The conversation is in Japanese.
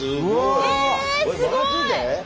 すごい！